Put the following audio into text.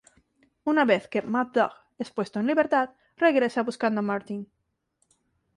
Una vez que Mad Dog es puesto en libertad, regresa buscando a Martin.